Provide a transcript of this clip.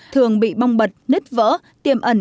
thường bị bong bật nết vỡ tiềm ẩn